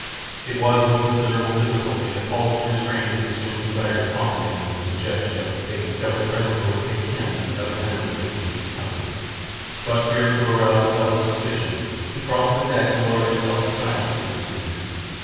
It was with difficulty that Paulvitch restrained a consuming desire to taunt the man with a suggestion of the fate that would presently overtake him and the other members of the Kincaid's company; but fearing to arouse the fellow's suspicions, he crossed the deck and lowered himself in silence into his canoe.